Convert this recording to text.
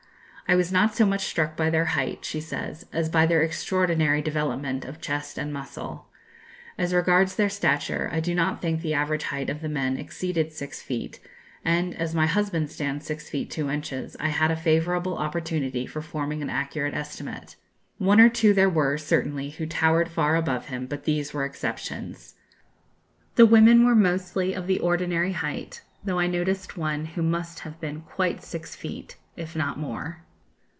"I was not so much struck by their height," she says, "as by their extraordinary development of chest and muscle. As regards their stature, I do not think the average height of the men exceeded six feet, and, as my husband stands six feet two inches, I had a favourable opportunity for forming an accurate estimate. One or two there were, certainly, who towered far above him, but these were exceptions. The women were mostly of the ordinary height, though I noticed one who must have been quite six feet, if not more."